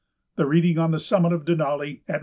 The reading on the summit of Denali, at 1.